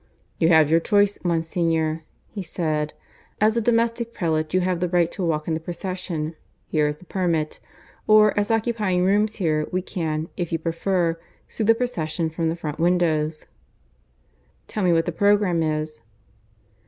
"You have your choice, Monsignor," he said. "As a Domestic Prelate you have the right to walk in the procession (here is the permit), or as occupying rooms here we can, if you prefer, see the procession from the front windows." "Tell me what the programme is."